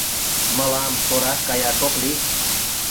— Мылам тораш каяш ок лий.